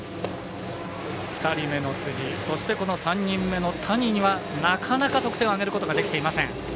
２人目の辻そして、３人目の谷にはなかなか得点を挙げることはできていません。